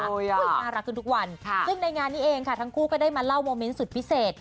น่ารักขึ้นทุกวันซึ่งในงานนี้เองค่ะทั้งคู่ก็ได้มาเล่าโมเมนต์สุดพิเศษ